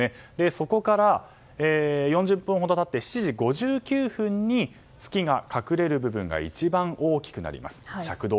そこから４０分ほど経って７時５９分に月が隠れる部分が一番大きくなります。